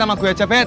eh udah gue bawa bet